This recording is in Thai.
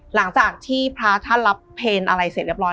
หลังจากที่พระท่านรับเพลงอะไรเสร็จเรียบร้อ